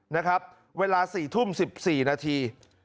นะครับเวลา๔ทุ่ม๑๔นาที